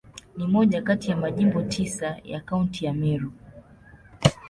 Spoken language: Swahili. Ni moja kati ya Majimbo tisa ya Kaunti ya Meru.